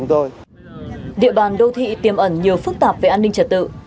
địa bàn đô thị tiêm ẩn nhiều phức tạp về an ninh trật tự